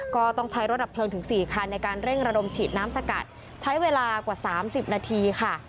ก็ต้องใช้รถดับเพลิงถึง๔คันในการเร่งระดมฉีดน้ำสกัดใช้เวลากว่า๓๐นาทีค่ะ